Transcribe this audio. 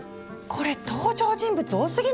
これ登場人物多すぎない？